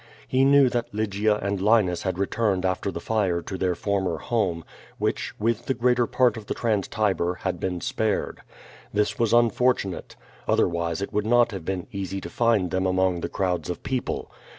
He knew that Lygia and Linus had returned after the fire to their former home, which, with the greater part of the Trans Tiber, had been spared. This was unfortunate. Other wise it would not have been easy to find them among the crowds of people.